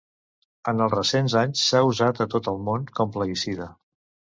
En els recents anys s'ha usat a tot el món com plaguicida.